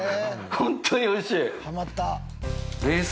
本当においしい冷水？